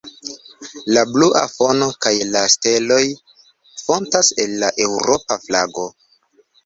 La blua fono kaj la steloj fontas el la Eŭropa flago.